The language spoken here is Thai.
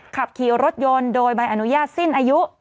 ขับขี่รถยนต์โดยใบอนุญาตสิ้นอายุ